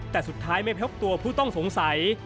แต่สุดท้ายไม่พบตัวผู้ต้องสงสัย